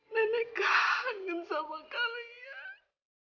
nenek kangen sama kalian